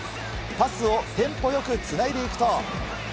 パスをテンポよくつないでいくと。